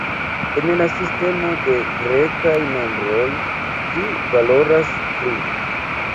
En la sistemo de grekaj nombroj ĝi valoras tri.